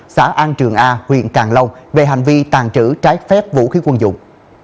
xã an trường a huyện càng long về hành vi tàn trữ trái phép vũ khí quân dụng